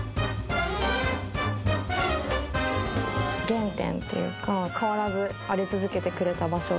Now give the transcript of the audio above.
原点っていうか変わらずあり続けてくれた場所。